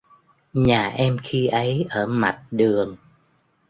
Nhà em khi ấy ở mặt đường